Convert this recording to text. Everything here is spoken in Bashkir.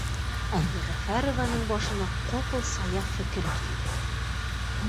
Йәғәфәрованың башына ҡапыл сая фекер килде